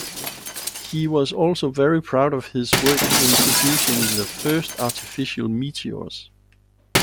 He was also very proud of his work in producing the first artificial meteors.